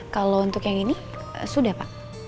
kalau untuk yang ini sudah pak